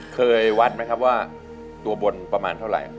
เคยวัดไหมครับว่าตัวบนประมาณเท่าไหร่